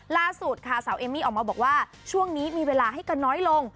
ล่าสุดค่ะสาวเอมมี่ออกมาบอกว่าช่วงนี้มีเวลาให้กันน้อยลง